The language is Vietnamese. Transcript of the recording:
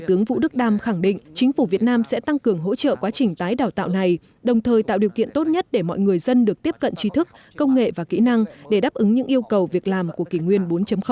phó thủ tướng vũ đức đam khẳng định chính phủ việt nam sẽ tăng cường hỗ trợ quá trình tái đào tạo này đồng thời tạo điều kiện tốt nhất để mọi người dân được tiếp cận trí thức công nghệ và kỹ năng để đáp ứng những yêu cầu việc làm của kỷ nguyên bốn